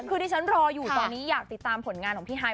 คือที่ฉันรออยู่ตอนนี้อยากติดตามผลงานของพี่ไฮ